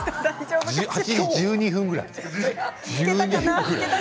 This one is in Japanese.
８時１２分くらい。